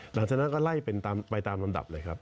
หลังจากนั้นก็ไล่เป็นไปตามลำดับเลยครับ